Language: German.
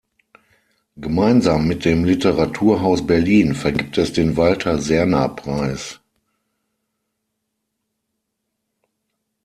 Gemeinsam mit dem Literaturhaus Berlin vergibt es den Walter-Serner-Preis.